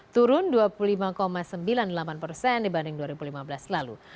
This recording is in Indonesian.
turun dua puluh lima sembilan puluh delapan persen dibanding dua ribu lima belas lalu